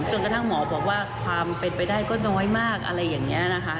กระทั่งหมอบอกว่าความเป็นไปได้ก็น้อยมากอะไรอย่างนี้นะคะ